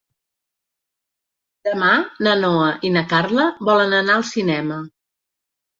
Demà na Noa i na Carla volen anar al cinema.